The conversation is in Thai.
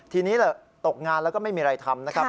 ทีนี้ตกงานแล้วก็ไม่มีอะไรทำนะครับ